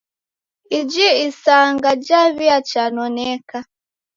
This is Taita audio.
Iji isanga jaw'iachanoneka.